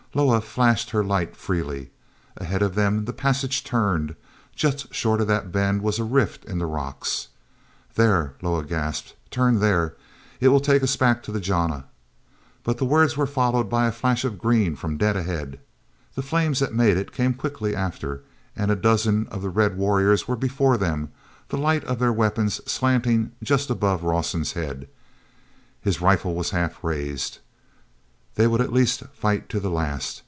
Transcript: Loah flashed her light freely. Ahead of them the passage turned. Just short of that bend was a rift in the rocks. "There!" Loah gasped. "Turn there. It will take us back to the jana." But the words were followed by a flash of green from dead ahead. The flames that made it came quickly after and a dozen of the red warriors were before them, the light of their weapons slanting just above Rawson's head. His rifle was half raised—they would at least fight to the last.